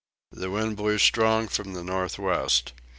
The wind blew strong from the north west.